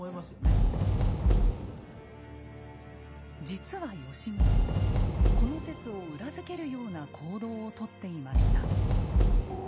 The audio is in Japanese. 実は吉宗この説を裏付けるような行動をとっていました。